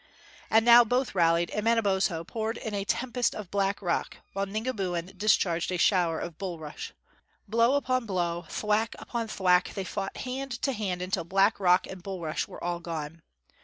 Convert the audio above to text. And now both rallied, and Manabozho poured in a tempest of black rock, while Ningabiun discharged a shower of bulrush. Blow upon blow, thwack upon thwack they fought hand to hand until black rock and bulrush were all gone.